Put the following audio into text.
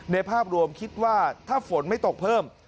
ภาพรวมคิดว่าถ้าฝนไม่ตกเพิ่ม